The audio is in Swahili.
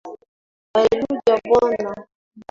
Hallelujah Bwana.